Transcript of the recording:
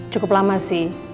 cukup lama sih